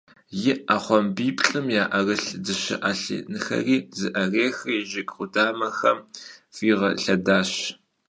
Yi 'epxhuambipş'ım ya'erılh dışe 'elhınxeri zı'erixri jjıg khudamexem f'iğelhedaş.